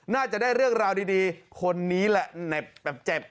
น่าจะได้เรื่องราวดีคนนี้แหละเหน็บแบบเจ็บ